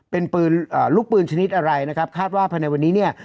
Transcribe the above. เป็นปืนลูกปืนชนิดอะไรนะครับคาดว่าภายในวันนี้เนี่ย